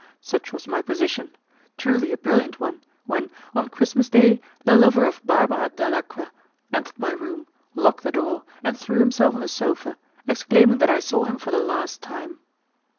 Such was my position truly a brilliant one, when, on Christmas Day, the lover of Barbara Dalacqua entered my room, locked the door, and threw himself on the sofa, exclaiming that I saw him for the last time.